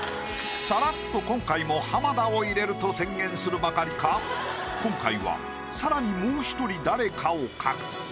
さらっと今回も浜田を入れると宣言するばかりか今回はさらにもう１人誰かを描く。